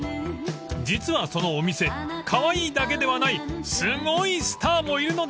［実はそのお店カワイイだけではないすごいスターもいるのです］